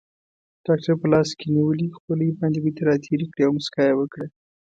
ډاکټر په لاس کې نیولې خولۍ باندې ګوتې راتېرې کړې او موسکا یې وکړه.